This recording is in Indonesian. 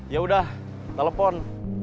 ya udah telepon